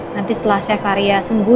nanti setelah chef arya sembuh